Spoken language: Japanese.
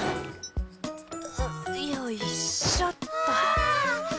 よいしょっと！わ！